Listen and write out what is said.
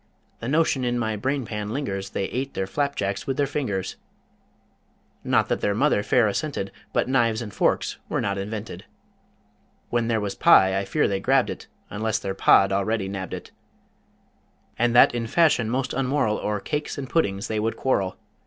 The notion in my brain pan lingers They ate their flapjacks with their fingers Not that their mother fair assented, But knives and forks were not invented. When there was pie, I fear they grabbed it, Unless their Pa'd already nabbed it; And that in fashion most unmoral O'er cakes and puddings they would quarrel.